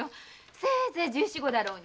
せいぜい十四五だろうに。